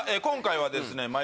今回はですね